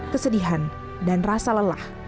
kesedihan dan rasa lelah